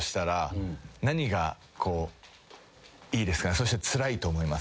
そしてつらいと思います？